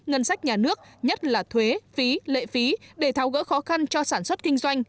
ngân sách nhà nước nhất là thuế phí lệ phí để tháo gỡ khó khăn cho sản xuất kinh doanh